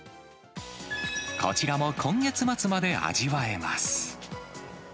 こちらも今月末まで味わえます。